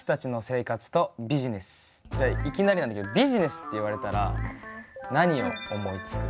じゃあいきなりなんだけどビジネスって言われたら何を思いつく？